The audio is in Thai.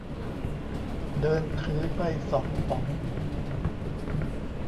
เดินถือไปสองป๋อง